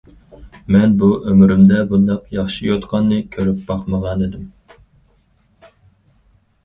مەن بۇ ئۆمرۈمدە بۇنداق ياخشى يوتقاننى كۆرۈپ باقمىغانىدىم.